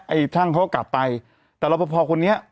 ช่างเขาก็กลับไปแต่รอปภคนนี้